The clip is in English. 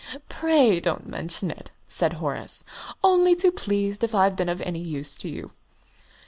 "Pray don't mention it," said Horace; "only too pleased if I've been of any use to you."